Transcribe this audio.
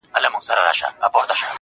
د ښایستونو خدایه سر ټيټول تاته نه وه.